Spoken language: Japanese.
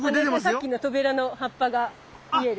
さっきのトベラの葉っぱが見える？